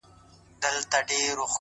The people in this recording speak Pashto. په دې وطن كي نستــه بېـــله بنگه ككــرۍ;